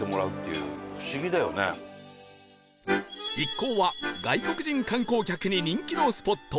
一行は外国人観光客に人気のスポット